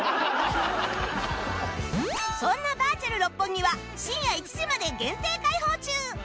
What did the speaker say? そんなバーチャル六本木は深夜１時まで限定開放中！